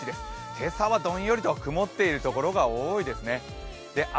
今朝はどんよりと曇ってるところが多いですね。